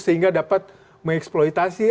sehingga dapat mengeksploitasi